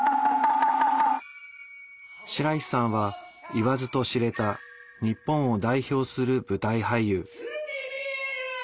白石さんは言わずと知れた日本を代表する舞台俳優。